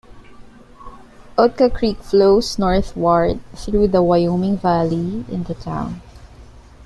Oatka Creek flows northward through the Wyoming Valley in the town.